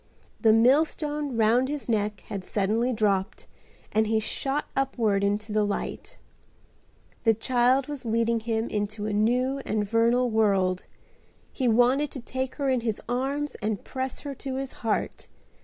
The millstone round his neck had suddenly dropped and he shot upward into the light. The child was leading him into a new and vernal world. He wanted to take her in his arms and press her to his heart.